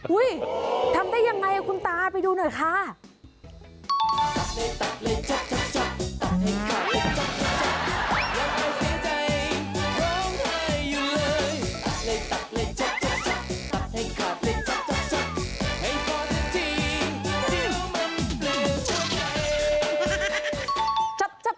ทำได้ยังไงคุณตาไปดูหน่อยค่ะ